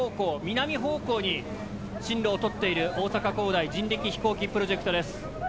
南方向に進路をとっている大阪工大人力飛行機プロジェクトです。